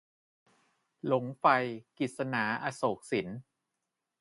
หลงไฟ - กฤษณา อโศกสิน